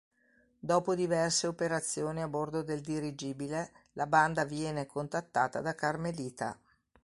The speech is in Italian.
Dopo diverse operazioni a bordo del dirigibile, la Banda viene contattata da Carmelita.